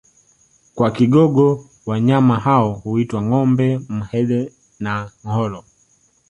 Kwa Kigogo wanyama hao huitwa ngombe mhene na ngholo